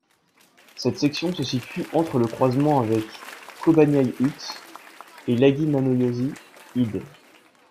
Cette section se situe entre le croisement avec Kőbányai út et Lágymányosi híd.